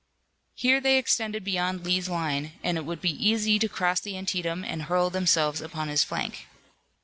Here they extended beyond Lee's line, and it would be easy to cross the Antietam and hurl themselves upon his flank.